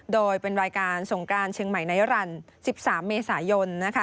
โดยเป็นรายการสงการเชียงใหม่ในรัน๑๓เมษายน